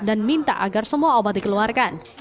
dan minta agar semua obat dikeluarkan